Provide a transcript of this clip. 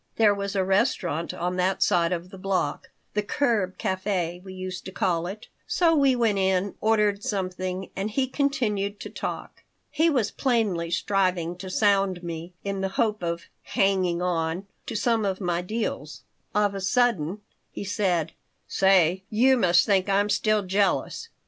There was a restaurant on that side of the block The Curb Café we used to call it so we went in, ordered something, and he continued to talk. He was plainly striving to sound me, in the hope of "hanging on" to some of my deals. Of a sudden he said: "Say, you must think I'm still jealous?